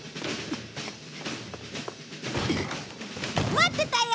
待ってたよ！